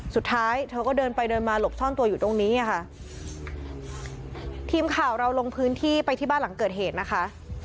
สุดท้ายเธอก็เดินไปเดินมาหลบซ่อนตัวอยู่ตรงนี้อ่ะค่ะทีมข่าวเราลงพื้นที่ไปที่บ้านหลังเกิดเหตุนะคะ